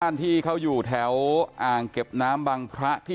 ที่เขาอยู่แถวอ่างเก็บน้ำบังพระที่